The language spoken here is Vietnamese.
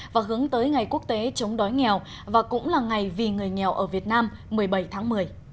và hướng tới ngày quốc tế chống đói nghèo và cũng là ngày vì người nghèo ở việt nam một mươi bảy tháng một mươi